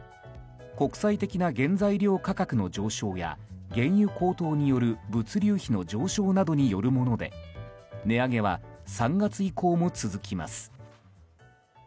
国際的な原材料価格の上昇や原油高騰による物流費の上昇などによるもので値上げは３月以降も続きます。